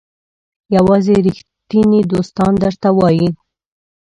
یوازې ریښتیني دوستان درته وایي.